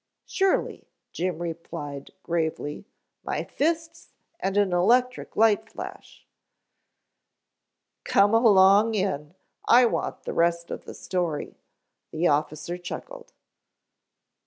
"Surely," Jim replied gravely. "My fists and an electric light flash." "Come along in I want the rest of the story," the officer chuckled.